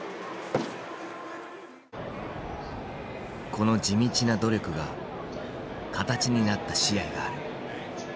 この地道な努力が形になった試合がある。